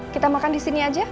kita makan disini aja